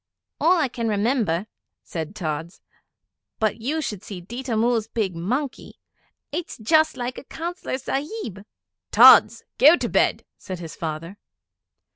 'All I can remember,' said Tods. 'But you should see Ditta Mull's big monkey. It's just like a Councillor Sahib.' 'Tods! Go to bed!' said his father.